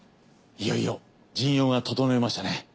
いよいよ陣容が整いましたね。